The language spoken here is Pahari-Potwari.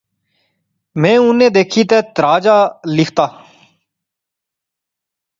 میں انیں دیکھی تہ ترہا جیا لختا